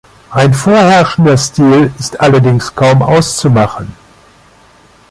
Ein vorherrschender Stil ist allerdings kaum auszumachen.